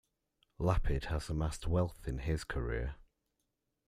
Lapid has amassed wealth in his career.